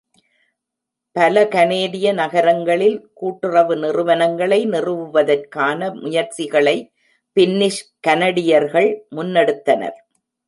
பல கனேடிய நகரங்களில் கூட்டுறவு நிறுவனங்களை நிறுவுவதற்கான முயற்சிகளை "பின்னிஷ் கனடியர்கள்" முன்னெடுத்தனர்.